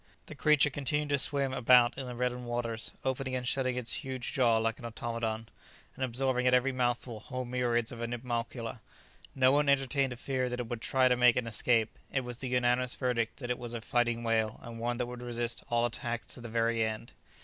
The creature continued to swim about in the reddened waters, opening and shutting its huge jaws like an automaton, and absorbing at every mouthful whole myriads of animalcula. No one entertained a fear that it would try to make an escape; it was the unanimous verdict that it was "a fighting whale," and one that would resist all attacks to the very end.